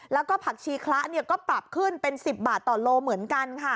แล้วก็ผักชีคละก็ปรับขึ้นเป็น๑๐บาทต่อโลเหมือนกันค่ะ